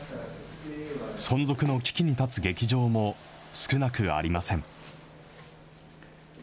存続の危機に立つ劇場も少なくありません。